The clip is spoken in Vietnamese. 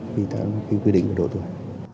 vì thế là cái quy định của độ tuổi